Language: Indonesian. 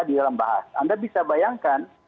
di dalam bahasa anda bisa bayangkan